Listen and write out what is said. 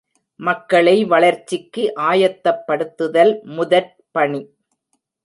மக்களை வளர்ச்சிக்கு ஆயத்தப்படுத்துதல் முதற்பணி.